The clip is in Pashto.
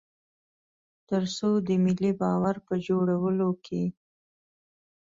تر څو د ملي باور په جوړولو کې.